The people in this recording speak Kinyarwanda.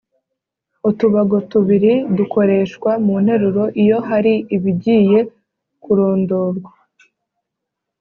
utubago tubiri : dukoreshwa mu nteruro iyo hari ibigiye kurondorwa,